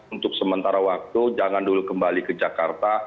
untuk sementara waktu jangan dulu kembali ke jakarta